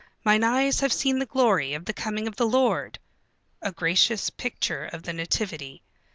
"Mine eyes have seen the glory of the coming of the Lord"; a gracious picture of the nativity.